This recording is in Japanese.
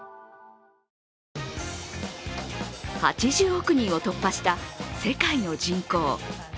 ８０億人を突破した世界の人口。